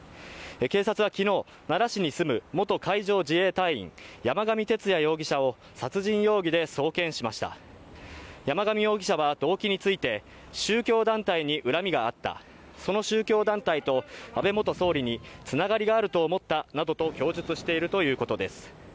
警察はきのう奈良市に住む元海上自衛隊員山上徹也容疑者を殺人容疑で送検しました山上容疑者は動機について宗教団体に恨みがあったその宗教団体と安倍元総理につながりがあると思ったなどと供述しているということです